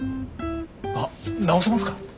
あっ直せますか？